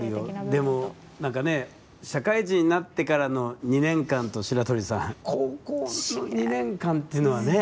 でも、何かね社会人になってからの２年間と白鳥さん高校の２年間というのはね。